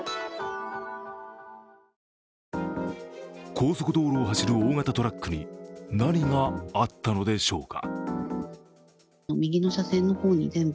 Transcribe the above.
高速道路を走る大型トラックに何があったのでしょうか。